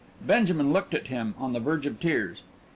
Benjamin looked at him, on the verge of tears.